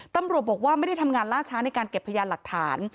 ตำรวจบอกว่าไม่ได้ทำงานล่าช้าในการเก็บพยานหลักฐาน